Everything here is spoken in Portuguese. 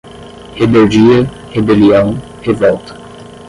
Rebeldia, rebelião, revolta